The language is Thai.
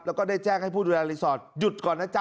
แล้วก็ได้แจ้งให้ผู้ดูแลรีสอร์ทหยุดก่อนนะจ๊